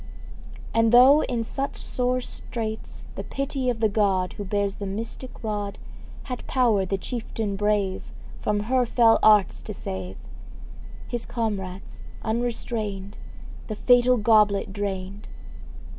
And though in such sore straits, The pity of the god Who bears the mystic rod Had power the chieftain brave From her fell arts to save; His comrades, unrestrained, The fatal goblet drained.